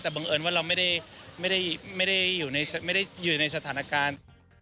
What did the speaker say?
แต่บังเอิญว่าเราไม่ได้อยู่ในสถานการณ์